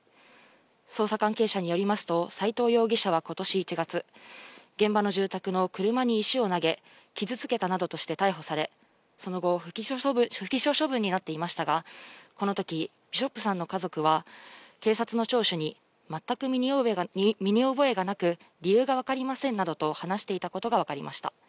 捜査関係者によりますと斎藤容疑者は今年１月、現場の住宅の車に石を投げ、傷付けたなどとして逮捕され、その後、不起訴処分になっていましたが、このときビショップさんの家族は警察の聴取に、全く身に覚えがなく理由がわかりませんなどと話していたことがわかりました。